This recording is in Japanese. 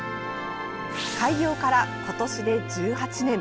開業から今年で１８年。